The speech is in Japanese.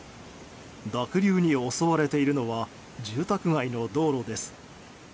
濁流に襲われているのは住宅街の道路です。